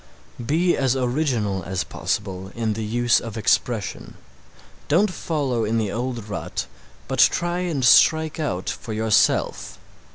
Be as original as possible in the use of expression. Don't follow in the old rut but try and strike out for yourself.